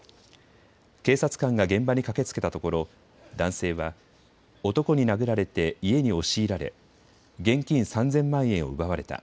警察官が現場に駆けつけたところ、男性は男に殴られて家に押し入られ、現金３０００万円を奪われた。